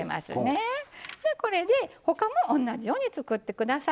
これで他も同じように作って下さい。